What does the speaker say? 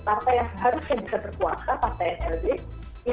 partai yang seharusnya bisa berkuasa partai yang terdiri